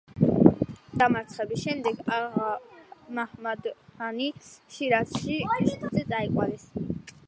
მამამისის დამარცხების შემდეგ აღა-მაჰმად-ხანი შირაზში, ზენდების სამეფო კარზე წაიყვანეს.